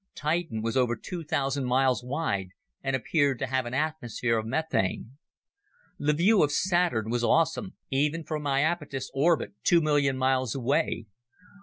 Titan was over two thousand miles wide and appeared to have an atmosphere of methane. The view of Saturn was awesome, even from Iapetus' orbit two million miles away.